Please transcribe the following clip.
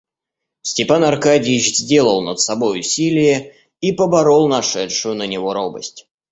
Степан Аркадьич сделал над собой усилие и поборол нашедшую на него робость.